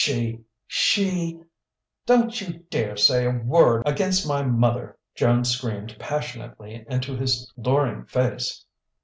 She she " "Don't you dare say a word against my mother!" Joan screamed passionately into his louring face.